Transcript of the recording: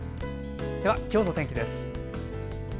では今日の天気です。